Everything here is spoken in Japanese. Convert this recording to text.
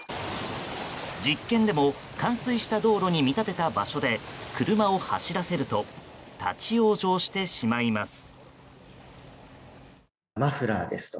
実験でも、冠水した道路に見立てた場所で車を走らせると立ち往生してしまいます。